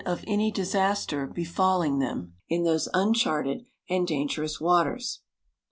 of any disaster befalling them in those uncharted and dangerous waters.